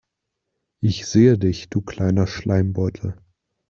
Ich sehe dich, du kleiner Schleimbeutel.